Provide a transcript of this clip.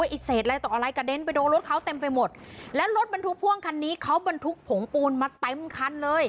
ไอ้เศษอะไรตกอะไรกระเด็นไปโดนรถเขาเต็มไปหมดและรถบรรทุกพ่วงคันนี้เขาบรรทุกผงปูนมาเต็มคันเลย